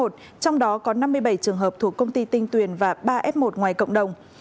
trong đó có năm mươi bảy trường hợp thuộc công ty tinh tuyền và ba f một ngoài cộng đồng